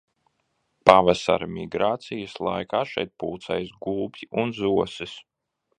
Pavasara migrācijas laikā šeit pulcējas gulbji un zosis.